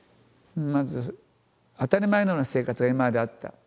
まず当たり前のような生活が今まであった。